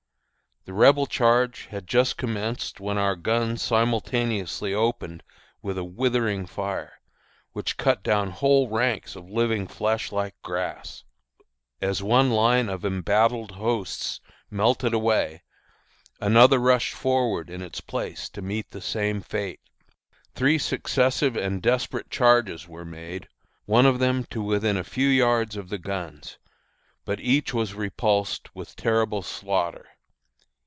The Rebel charge had just commenced when our guns simultaneously opened with a withering fire, which cut down whole ranks of living flesh like grass. As one line of embattled hosts melted away, another rushed forward in its place to meet the same fate. Three successive and desperate charges were made, one of them to within a few yards of the guns, but each was repulsed with terrible slaughter.